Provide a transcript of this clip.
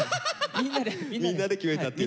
みんなで決めたっていう。